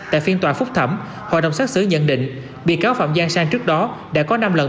tại phiên tòa phúc thẩm hội đồng xác xử nhận định bị cáo phạm giang sang trước đó đã có năm lần